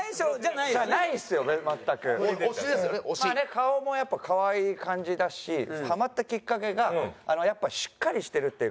顔もやっぱ可愛い感じだしハマったきっかけがやっぱしっかりしてるっていうか。